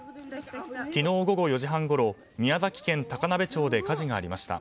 昨日午後４時半ごろ宮崎県高鍋町で火事がありました。